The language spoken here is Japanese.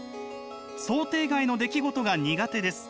「想定外の出来事が苦手です。